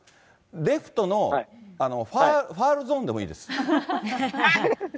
レフトのファウルゾーンでもいいです。